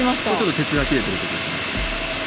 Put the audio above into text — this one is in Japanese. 鉄が切れてるところですね。